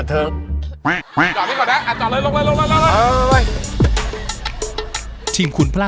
เท่าไหร่